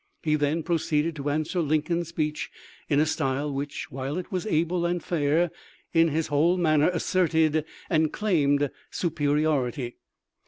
He then proceeded to answer Lincoln's speech in a style which, while it was able and fair, in his whole manner asserted and claimed superi ority."